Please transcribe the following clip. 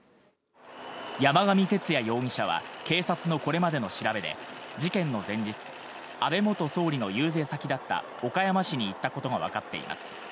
山上徹也容疑者は警察のこれまでの調べで、事件の前日、安倍元総理の遊説先だった岡山市に行ったことがわかっています。